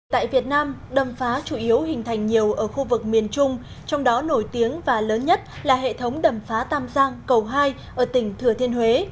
tại việt nam đầm phá chủ yếu hình thành nhiều ở khu vực miền trung trong đó nổi tiếng và lớn nhất là hệ thống đầm phá tam giang cầu hai ở tỉnh thừa thiên huế